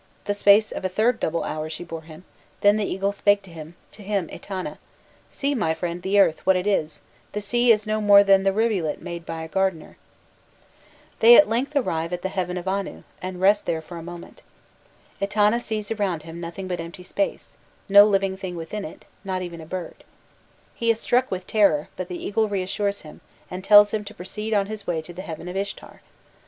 'The space of a third double hour she bore him, then the eagle spake to him, to him Etana: 'See, my friend, the earth, what it is: the sea is no more than the rivulet made by a gardener.'" [Illustration: 233.jpg ETANA CARRIED TO HEAVEN BY AN EAGLE.] Drawn by Faucher Gudin, from a Chaldaean intaglio. "They at length arrive at the heaven of Anu, and rest there for a moment. Etana sees around him nothing but empty space no living thing within it not even a bird: he is struck with terror, but the eagle reassures him, and tells him to proceed on his way to the heaven of Ishtar.